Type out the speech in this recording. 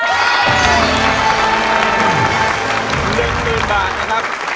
๑หมื่นบาทนะครับ